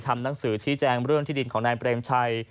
หนังสือชี้แจงเรื่องที่ดินของนายเปรมชัย